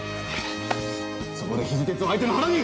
そこで、肘鉄を相手の腹に！